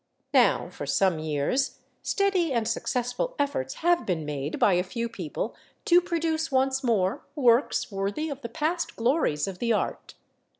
Now for some years steady and successful efforts have been made by a few people to produce once more works worthy of the past glories of the art.